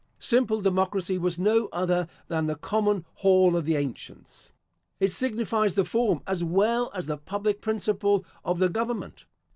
Simple democracy was no other than the common hall of the ancients. It signifies the form, as well as the public principle of the government.